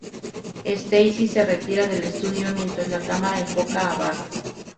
Stacy se retira del estudio mientras la cámara enfoca a Barb.